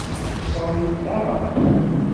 Xesrent daɣen.